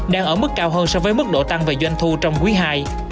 đang ở mức cao hơn so với mức độ tăng về doanh thu trong quý ii